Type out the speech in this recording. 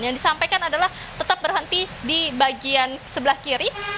yang disampaikan adalah tetap berhenti di bagian sebelah kiri